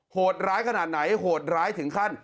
โหดร้ายขนาดไหนโหดร้ายถึงขั้น